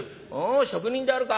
職人であるか？